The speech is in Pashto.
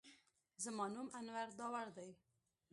زما نوم انور داوړ دی